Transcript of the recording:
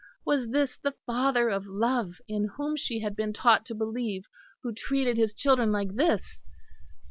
Was this the Father of Love in whom she had been taught to believe, who treated His children like this?